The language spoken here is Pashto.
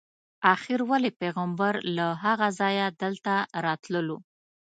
آخر ولې پیغمبر له هغه ځایه دلته راتللو.